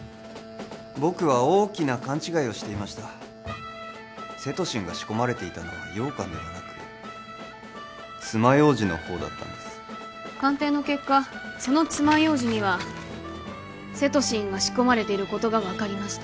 僕は大きな勘違いをしていましたセトシンが仕込まれていたのは羊羹ではなく爪楊枝の方だったんです鑑定の結果その爪楊枝にはセトシンが仕込まれていることが分かりました